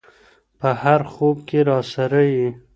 په هر خوب کي راسره یې